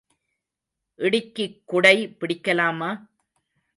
இடிக்குக் குடை பிடிக்கலாமா?